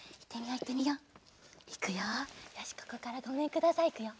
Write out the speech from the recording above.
よしここから「ごめんください」いくよ。